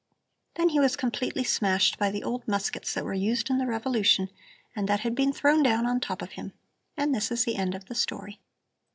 Then he was completely smashed by the old muskets that were used in the revolution and that had been thrown down on top of him. And this is the end of the story."